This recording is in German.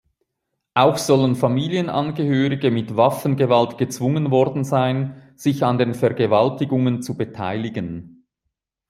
Auch sollen Familienangehörige mit Waffengewalt gezwungen worden sein, sich an den Vergewaltigungen zu beteiligen.